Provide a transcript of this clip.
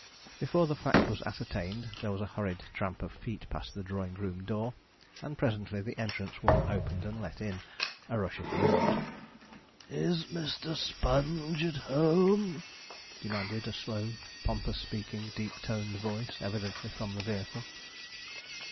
Before the fact was ascertained, there was a hurried tramp of feet past the drawing room door, and presently the entrance one opened and let in a rush of wind. 'Is Mr. Sponge at home?' demanded a slow, pompous speaking, deep toned voice, evidently from the vehicle.